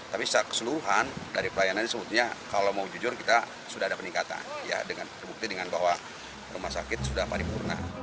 tapi secara keseluruhan dari pelayanan ini sebetulnya kalau mau jujur kita sudah ada peningkatan ya dengan terbukti dengan bahwa rumah sakit sudah paripurna